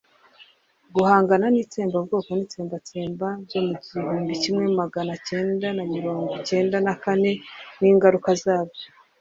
guhangana itsembabwoko n'itsembatsemba byo mu igumbi kimwe magana cyenda na miro icyenda na kane n'ingaruka zabyo